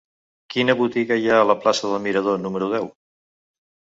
Quina botiga hi ha a la plaça del Mirador número deu?